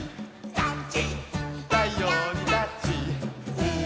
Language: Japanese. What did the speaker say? タッチ！」